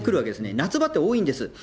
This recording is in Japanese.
夏場って多いんです。